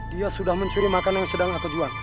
dia sudah mencuri makanan yang sedang aku jual